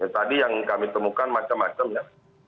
tadi yang kami temukan macam macam ya